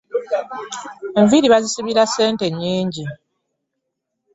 Enviiri bazisibira ssente nnyingi.